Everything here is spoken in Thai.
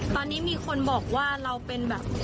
ตอนนี้มีคนบอกว่าเราเป็นแบบ